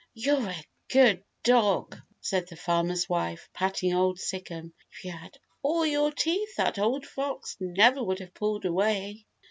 "You're a good dog," said the farmer's wife, patting Old Sic'em. "If you had all your teeth that old fox never would have pulled away."